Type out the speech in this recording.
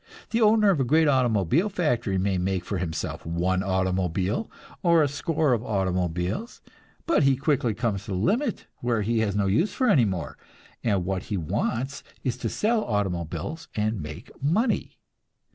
The owner of a great automobile factory may make for himself one automobile or a score of automobiles, but he quickly comes to a limit where he has no use for any more, and what he wants is to sell automobiles and "make money."